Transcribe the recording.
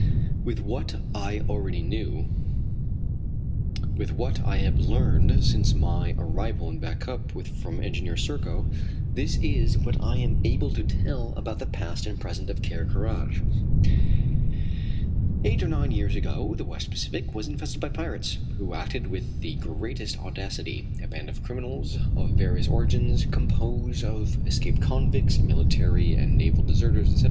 With what I already knew, with what I have learned since my arrival in Back Cup from Engineer Serko, this is what I am able to tell about the past and present of Ker Karraje: Eight or nine years ago, the West Pacific was infested by pirates who acted with the greatest audacity. A band of criminals of various origins, composed of escaped convicts, military and naval deserters, etc.